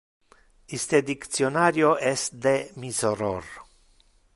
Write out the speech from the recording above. Iste dictionario es de mi soror.